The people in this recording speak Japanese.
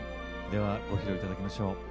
ではご披露いただきましょう。